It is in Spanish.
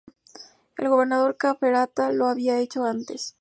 El gobernador Cafferata lo había hecho antes.